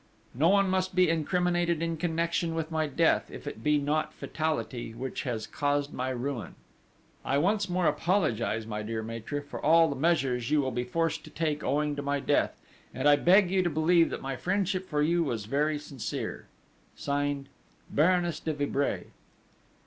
_ _No one must be incriminated in connection with my death, if it be not Fatality, which has caused my ruin. I once more apologise, my dear maître, for all the measures you will be forced to take owing to my death, and I beg you to believe that my friendship for you was very sincere:_ Signed: BARONESS DE VIBRAY."